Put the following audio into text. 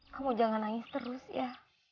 kamu jangan nangis terus ya